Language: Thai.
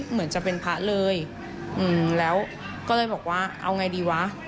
เหมือนจะเป็นพระเลยแล้วก็เลยบอกว่าเอาไงดีวะ